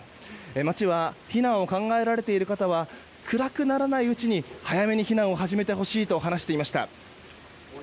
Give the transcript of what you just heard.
町は避難を考えられている方は暗くならないうちに早めに避難してほしいということです。